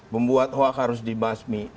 membuat hoak harus dibasmi